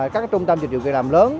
các trung tâm dịch vụ việc làm lớn